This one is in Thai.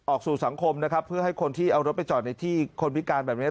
สู่สังคมนะครับเพื่อให้คนที่เอารถไปจอดในที่คนพิการแบบนี้